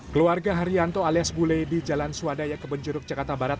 keluarga haryanto alias bule di jalan swadaya kebenjuruk jakarta barat